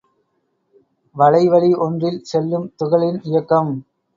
வளைவழி ஒன்றில் செல்லும் துகளின் இயக்கம்.